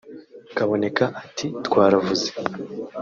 Kaboneka ati “Twaravuze